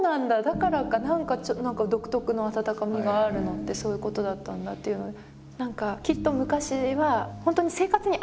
だからか何か独特の温かみがあるのってそういうことだったんだというので。